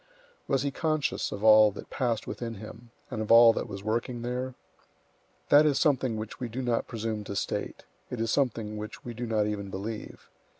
Was he conscious of all that passed within him, and of all that was working there? That is something which we do not presume to state; it is something which we do not even believe.